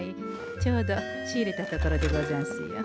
ちょうど仕入れたところでござんすよ。